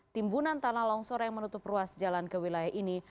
timbunan tanah longsor yang menutup ruas jalan ke wilayah ini